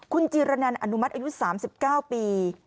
คุณจีรนันอนุมัติอายุ๓๙ปี